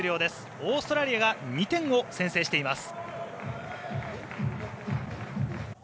オーストラリアが２点を先制しています。